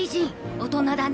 大人だね。